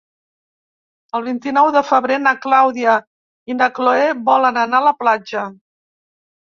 El vint-i-nou de febrer na Clàudia i na Cloè volen anar a la platja.